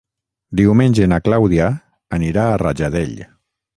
Diumenge na Clàudia anirà a Rajadell.